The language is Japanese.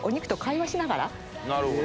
なるほど。